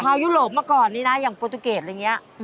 ยุโรปเมื่อก่อนนี้นะอย่างโปรตูเกรดอะไรอย่างนี้